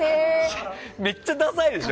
めっちゃダサいでしょ？